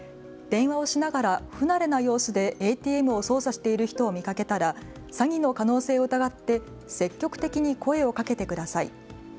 電話をしながら不慣れな様子でＡＴＭを操作している人を見かけたら詐欺の可能性を疑って積極的に声をかけてください。